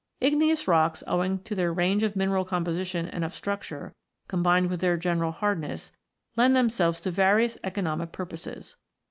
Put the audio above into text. Igneous rocks, owing to their range of mineral composition and of structure, combined with their general hardness, lend themselves to various economic purposes.